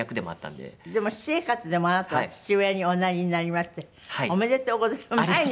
でも私生活でもあなたは父親におなりになりましておめでとうございます。